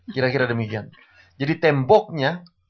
kira kira demikian jadi temboknya